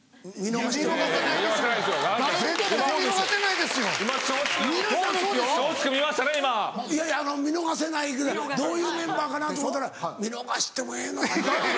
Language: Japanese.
いやいや見逃せないぐらいどういうメンバーかなと思うたら見逃してもええのかな。